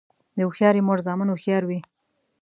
د هوښیارې مور زامن هوښیار وي.